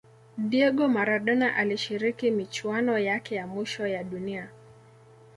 diego maradona alishiriki michuano yake ya mwisho ya dunia